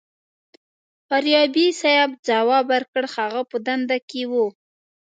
فاریابي صیب ځواب ورکړ هغه په دنده کې و.